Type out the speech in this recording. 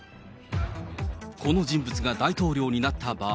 この人物が大統領になった場合、